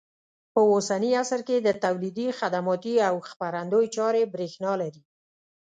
په اوسني عصر کې د تولیدي، خدماتي او خپرندوی چارې برېښنا لري.